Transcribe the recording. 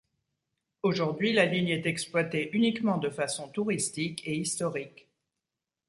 Aujourd'hui, la ligne est exploitée uniquement de façon touristique et historique.